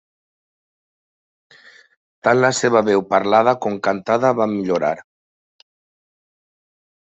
Tant la seva veu parlada com cantada van millorar.